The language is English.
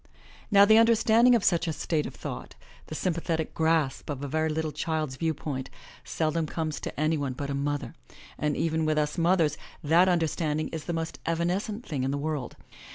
Now the understanding of such a state of thought, the sympa thetic grasp of a very little child's viewpoint, seldom comes to any one but a mother, and even with us mothers that understanding is the most evanescent thing in the world.